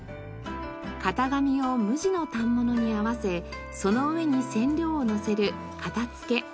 型紙を無地の反物に合わせその上に染料をのせる型付け。